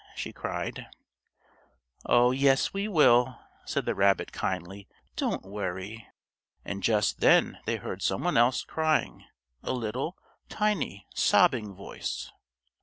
she cried. "Oh, yes, we will," said the rabbit kindly. "Don't worry." And just then they heard some one else crying, a little, tiny, sobbing voice.